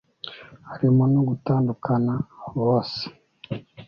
arimo no gutanduakana bose